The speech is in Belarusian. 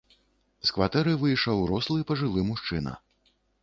З кватэры выйшаў рослы пажылы мужчына.